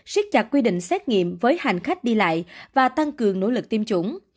siết chặt quy định xét nghiệm với hành khách đi lại và tăng cường nỗ lực tiêm chủng